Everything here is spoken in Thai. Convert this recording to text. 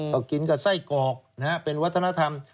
ก็กินกับไส้กรอกเป็นวัฒนธรรม